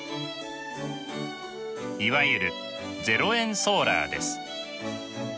いわゆる０円ソーラーです。